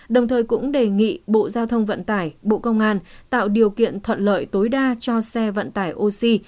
đồng thời cũng đề nghị bộ giao thông vận tải bộ công an tạo điều kiện thuận lợi tối đa cho xe vận tải oxy